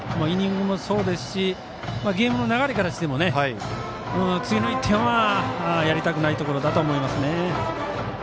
イニングもそうですしゲームの流れからしても次の１点はやりたくないところだと思います。